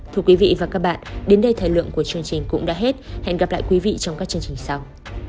thưa quý vị và các bạn đến đây thời lượng của chương trình cũng đã hết hẹn gặp lại quý vị trong các chương trình sau